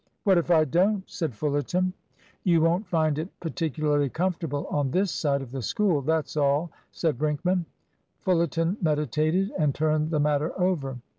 "What if I don't?" said Fullerton. "You won't find it particularly comfortable on this side of the School, that's all," said Brinkman. Fullerton meditated and turned the matter over.